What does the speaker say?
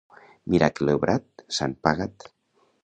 Miracle obrat, sant pagat.